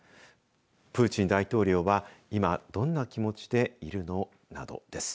プーチン大統領は今、どんな気持ちでいるのなどです。